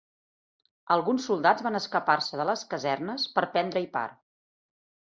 Alguns soldats van escapar-se de les casernes per prendre-hi part